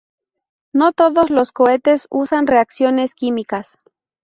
No todos los cohetes usan reacciones químicas.